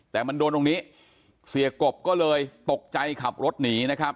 แต่มันโดนตรงนี้เสียกบก็เลยตกใจขับรถหนีนะครับ